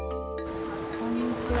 こんにちは。